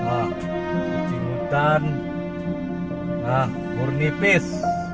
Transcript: ah cuci hutan ah murni pis